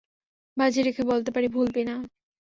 বাজি রেখে বলতে পারি ভুলবি না।